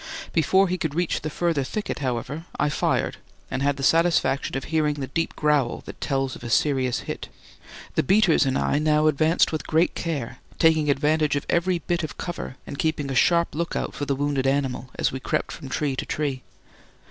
Before he could reach the further thicket, however, I fired, and had the satisfaction of hearing the deep growl that tells of a serious hit. The beaters and I now advanced with great care, taking advantage of every bit of cover and keeping a sharp look out for the wounded animal as we crept from tree to tree.